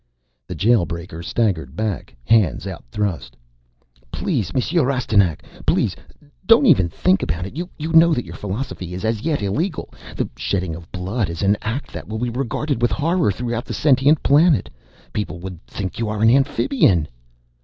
The Jail breaker staggered back, hands outthrust. "Please, Monsieur Rastignac! Please! Don't even talk about it! You know that your philosophy is, as yet, illegal. The shedding of blood is an act that will be regarded with horror throughout the sentient planet. People would think you are an Amphibian!"